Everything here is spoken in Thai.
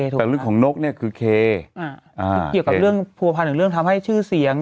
แต่เรื่องของนกเนี่ยคือเคอ่าเกี่ยวกับเรื่องผัวพันธ์ถึงเรื่องทำให้ชื่อเสียง